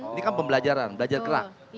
ini kan pembelajaran belajar kerak